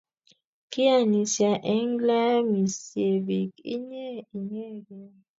Kianisie eng leamisie bik inye inyeken?